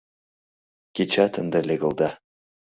Кечат ынде легылда.